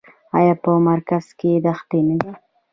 آیا په مرکز کې دښتې نه دي؟